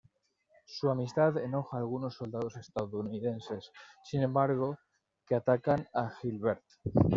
Su amistad enoja a algunos soldados estadounidenses, sin embargo, que atacan a Gilbert.